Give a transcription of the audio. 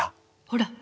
ほら。